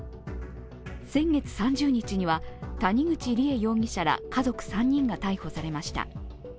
先月３０日には谷口梨恵容疑者ら家族３人が逮捕されました。